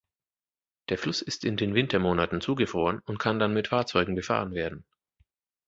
Der Fluss ist in den Wintermonaten zugefroren und kann dann mit Fahrzeugen befahren werden.